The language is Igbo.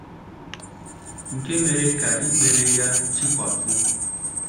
nke mere ka ikpere ya chikwapụ.